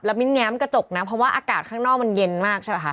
แล้วมิ๊นตร์ง้ามกระจกนะเพราะว่าอากาศข้างนอกมันเย็นมาก